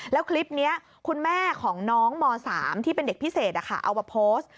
แล้วคลิปนี้คุณแม่ของน้องม๓ที่เป็นเด็กพิเศษเอามาโพสต์